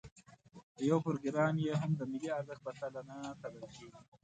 یو پروګرام یې هم د ملي ارزښت په تله نه تلل کېږي.